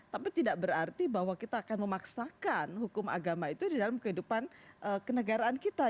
tapi tidak berarti bahwa kita akan memaksakan hukum agama itu di dalam kehidupan kenegaraan kita